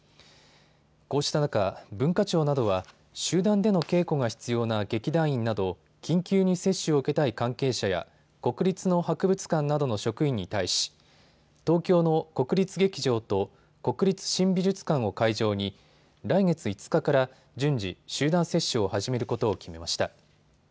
こうした中、文化庁などは集団での稽古が必要な劇団員など緊急に接種を受けたい関係者や国立の博物館などの職員に対し、東京の国立劇場と国立新美術館を会場に来月５日から順次、集団接種を始めることを決めました。